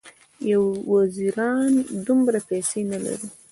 ډېر وزیران دومره پیسې نه لري.